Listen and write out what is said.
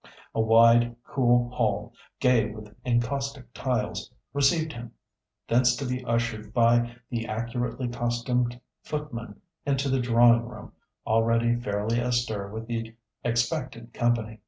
A wide, cool hall, gay with encaustic tiles, received him, thence to be ushered by the accurately costumed footman into the drawing room, already fairly astir with the expected company.